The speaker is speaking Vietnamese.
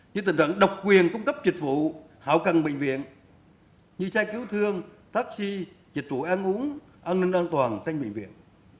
như tình trạng độc quyền cung cấp dịch vụ hào cần bệnh viện như chai cứu thương taxi dịch vụ ăn uống an ninh an toàn tranh bệnh viện